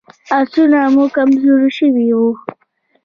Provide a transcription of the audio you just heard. آسونه مو کمزوري شوي وو.